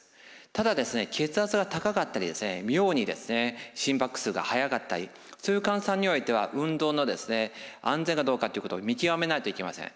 ただ血圧が高かったり妙に心拍数が速かったりそういう患者さんにおいては運動が安全かどうかということを見極めないといけません。